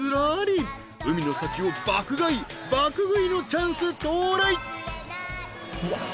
［海の幸を爆買い爆食いのチャンス到来］